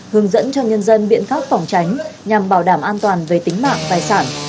hướng dẫn cho nhân dân biện pháp phòng tránh nhằm bảo đảm an toàn về tính mạng tài sản